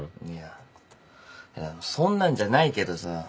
いやそんなんじゃないけどさ。